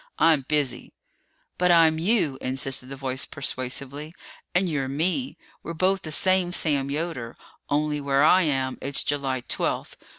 I'm busy!" "But I'm you!" insisted the voice persuasively. "And you're me! We're both the same Sam Yoder, only where I am, it's July twelfth.